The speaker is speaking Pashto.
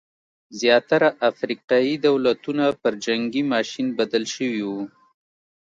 زیاتره افریقايي دولتونه پر جنګي ماشین بدل شوي وو.